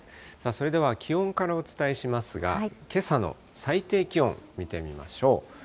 それでは気温からお伝えしますが、けさの最低気温、見てみましょう。